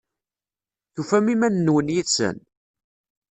Tufam iman-nwen yid-sen?